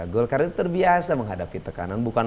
golkar itu terbiasa menghadapi tekanan bukan